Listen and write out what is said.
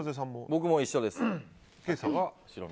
僕も一緒です。